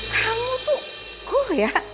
kamu tuh cool ya